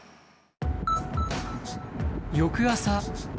翌朝。